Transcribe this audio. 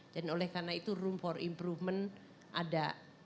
dan oleh karena itu room for improvement ada